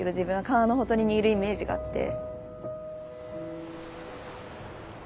川のほとりにいるイメージがあって。